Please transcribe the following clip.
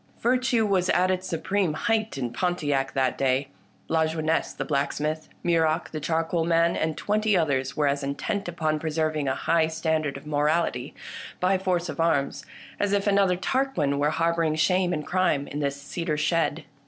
Virtue was at its supreme height in Pontiac that day. Lajeunesse the blacksmith, Muroc the charcoal man, and twenty others were as intent upon preserving a high standard of morality, by force of arms, as if another Tarquin were harbouring shame and crime in this cedar shed.